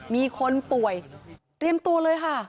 มีคนป่วยเตรียมตัวเลยค่ะ